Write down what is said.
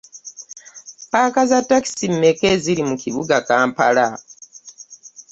Paaka za taxi meeka eziri mu kibuga Kampala.